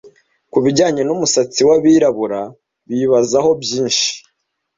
Kubijyanye numusatsi w'abirabura bibazaho byinshi